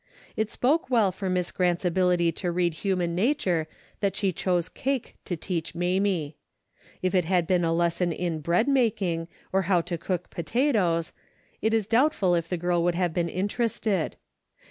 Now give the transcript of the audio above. It spoke well for Miss Grant's ability to read human nature, that she chose cake to teach Mamie. If it had been a lesson in bread making or how to cook potatoes, it is doubtful if the girl would have been inter ested.